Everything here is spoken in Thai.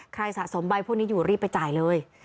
สะสมใบพวกนี้อยู่รีบไปจ่ายเลย